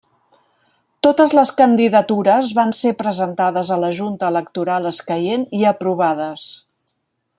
Totes les candidatures van ser presentades a la Junta Electoral escaient i aprovades.